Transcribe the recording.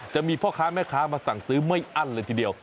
จะมีพ่อค้าแม่ค้ามาสั่งซื้อไม่อั้นเลยทีเดียว